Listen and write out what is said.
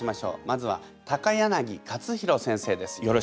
まずは柳克弘先生です。